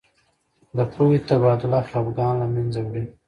د پوهې تبادله خفګان له منځه وړي.